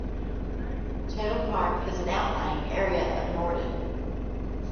Taylor Park is an outlying area of Norden.